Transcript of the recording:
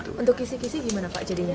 untuk kisi kisi gimana pak jadinya